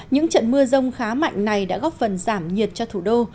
những trận mưa rông khá mạnh này đã góp phần giảm nhiệt cho thủ đô